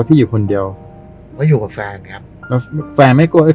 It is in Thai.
ใส่อยู่กับแฝนครับ